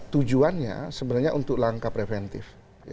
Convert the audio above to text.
tujuannya sebenarnya untuk langkah preventif